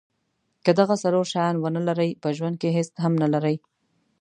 که دغه څلور شیان ونلرئ په ژوند کې هیڅ هم نلرئ.